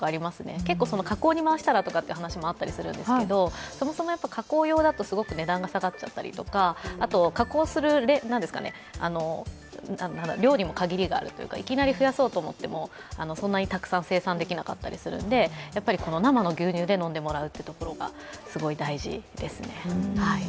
結構、加工に回したらという話もあったりするんですがそもそも加工用だとすごく値段が下がっちゃったりとかあと加工する量にもかぎりがあるというか、いきなり増やそうと思ってもそんなにたくさん生産できなかったりするんで生の牛乳で飲んでもらうというところがすごい大事ですね。